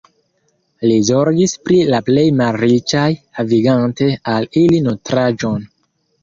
Li zorgis pri la plej malriĉaj, havigante al ili nutraĵon.